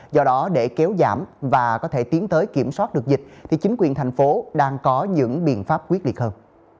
do đó để kéo giảm và có thể tiến tới kiểm soát được dịch thì chính quyền thành phố đang có những biện pháp quyết liệt hơn